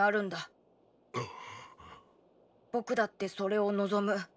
僕だってそれを望む。